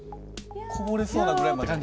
こぼれそうなぐらいまで。